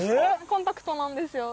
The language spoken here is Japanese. コンタクトなんですよ。